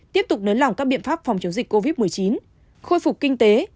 tiếp tục nới lỏng các biện pháp phòng chống dịch covid một mươi chín khôi phục kinh tế